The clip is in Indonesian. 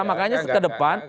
makanya ke depan